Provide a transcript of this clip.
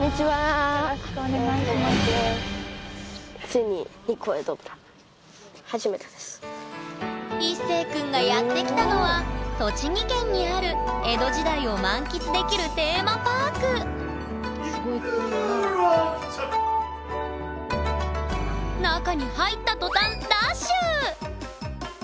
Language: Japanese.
いっせい君がやって来たのは栃木県にある江戸時代を満喫できるテーマパーク中に入った途端ダッシュ！